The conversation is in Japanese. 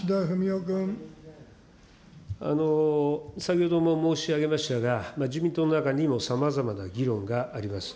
先ほども申し上げましたが、自民党の中にも、さまざまな議論があります。